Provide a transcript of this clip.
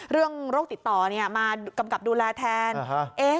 เรื่องโรคติดต่อเนี่ยมากำกับดูแลแทนอ่าฮะ